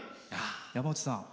山内さん。